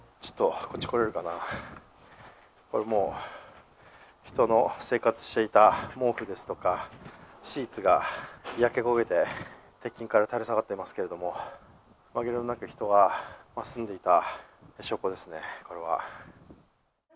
これ、もう人の生活していた毛布ですとかシーツが焼け焦げて鉄筋から垂れ下がっていますけれどもまぎれもなく人が住んでいた証拠ですね、これは。